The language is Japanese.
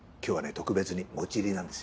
特別に餅入りなんです。